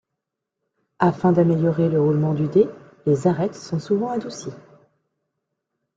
Afin d'améliorer le roulement du dé, les arêtes sont souvent adoucies.